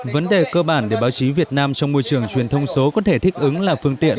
vấn đề cơ bản để báo chí việt nam trong môi trường truyền thông số có thể thích ứng là phương tiện